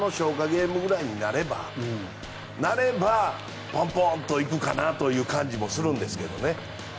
ゲームくらいになればポンポンと行くかなという感じもするんですけどね。